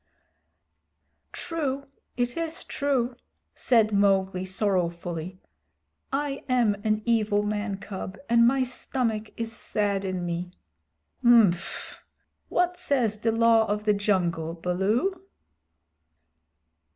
"True, it is true," said Mowgli sorrowfully. "I am an evil man cub, and my stomach is sad in me." "Mf! What says the Law of the Jungle, Baloo?"